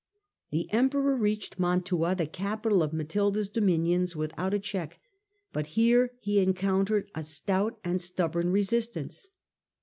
The emperor reached Mantua the capital of Matilda's dominions without a check, but here he encountered a Mantua stout and stubbom resistance.